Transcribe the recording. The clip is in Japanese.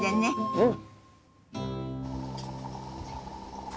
うん！